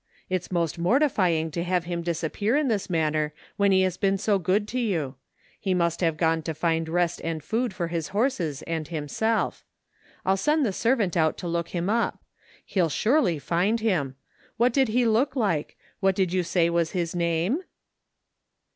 It's most mortifying to have him disappear in this maimer when he has been so good to you. He must have gone to find rest and food for his horses and himself. I'll send the servant out to look him up. He'll surely find him. What did he look like? What did you say was his name